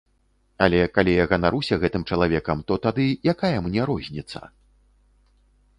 Але калі я ганаруся гэтым чалавекам, то тады, якая мне розніца?